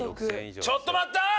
ちょっと待ったー！